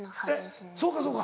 そうかそうか。